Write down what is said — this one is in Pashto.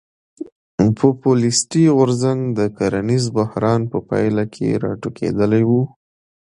پوپولیستي غورځنګ د کرنیز بحران په پایله کې راټوکېدلی و.